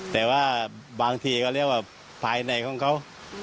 แต่ว่าบางทีพายหน้าของเขา